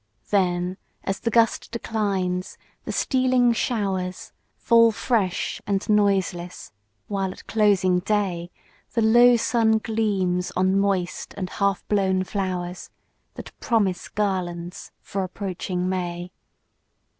Then, as the gust declines, the stealing showers Fall fresh and noiseless; while at closing day The low sun gleams on moist and half blown flowers, That promise garlands for approaching May.